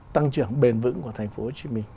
tăng trưởng bền vững của tp hcm